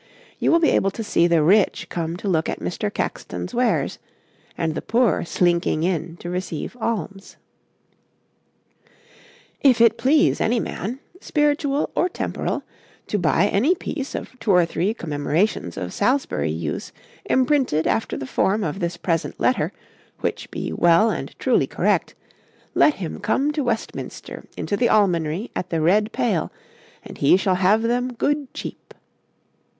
You will be able to see the rich come to look at Mr. Caxton's wares and the poor slinking in to receive alms. 'If it please any man, spiritual or temporal, to buy any pyes of two or three commemorations of Salisbury use emprynted after the form of this present letter, which be well and truly correct, let him come to Westminster into the Almonry at the red pale, and he shall have them good cheap.'